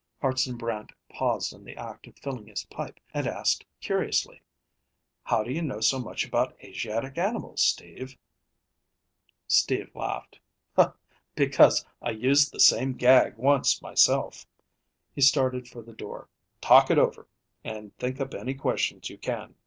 Hartson Brant paused in the act of filling his pipe and asked curiously, "How do you know so much about Asiatic animals, Steve?" Steve laughed. "Because I used the same gag once myself." He started for the door. "Talk it over, and think up any questions you can.